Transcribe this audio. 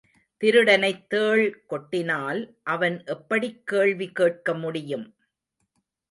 திருடனைத் தேள் கொட்டினால் அவன் எப்படிக் கேள்வி கேட்க முடியும்.